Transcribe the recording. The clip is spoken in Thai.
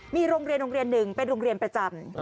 มีโรงเรียนหนึ่งเป็นโรงเรียนประจำ